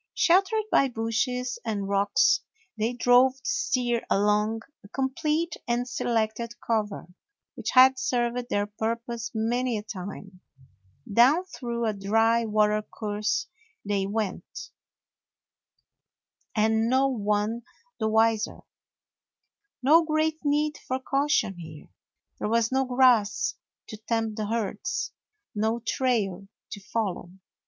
Sheltered by bushes and rocks, they drove the steer along a complete and selected cover, which had served their purpose many a time. Down through a dry watercourse they went, 102 A NEW ZEALAND DOG and no one the wiser. No great need for cau tion here. There was no grass to tempt the herds, no trail to follow.